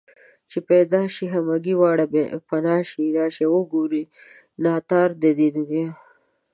چې پيدا شي همگي واړه پنا شي راشه وگوره ناتار د دې دنيا